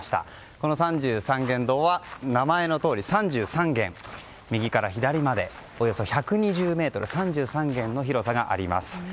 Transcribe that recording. この三十三間堂は名前のとおり、三十三間右から左までおよそ１２０ｍ三十三間の広さがあります。